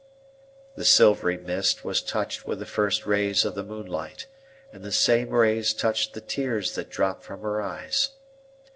The silvery mist was touched with the first rays of the moonlight, and the same rays touched the tears that dropped from her eyes.